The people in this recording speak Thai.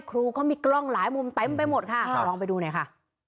ครูก็มีกล้องหลายมุมตั้งไปหมดค่ะค่ะลองไปดูหน่อยค่ะ